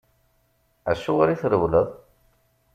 Acuɣeṛ i trewleḍ?